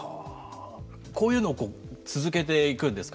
こういうのを続けていくんですか。